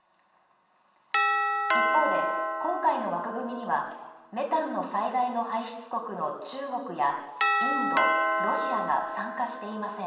一方で、今回の枠組みにはメタンの最大の排出国の中国や、インド、ロシアが参加していません。